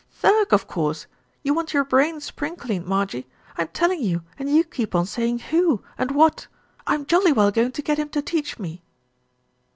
"Thirk, of course. You want your brain spring cleaned, Marjie. I'm telling you and you keep on say ing 'who' and 'what.' I'm jolly well going to get him to teach me."